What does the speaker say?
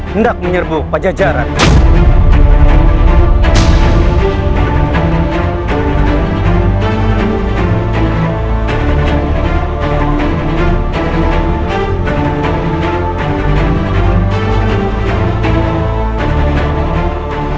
hendak menyerbu pada jarak